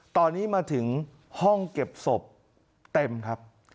ตอนนี้มาถึงห้องเก็บศพเต็มครับ